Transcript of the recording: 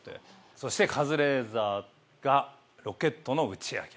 そしてカズレーザーが「ロケットの打ち上げ」。